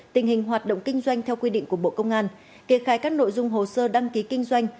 tình hình hoạt động kinh doanh theo quy định của bộ công an kê khai các nội dung hồ sơ đăng ký kinh doanh